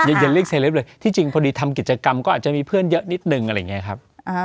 เย็นเรียกเซเลปเลยที่จริงพอดีทำกิจกรรมก็อาจจะมีเพื่อนเยอะนิดนึงอะไรอย่างนี้ครับ